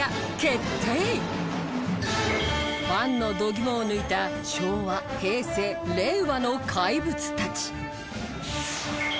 ファンの度肝を抜いた昭和平成令和の怪物たち。